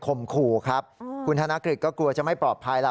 มขู่ครับคุณธนกฤษก็กลัวจะไม่ปลอดภัยล่ะ